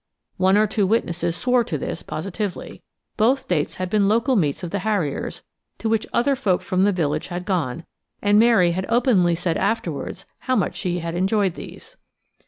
One or two witnesses swore to this positively. Both dates had been local meets of the harriers, to which other folk from the village had gone, and Mary had openly said afterwards how much she had enjoyed these.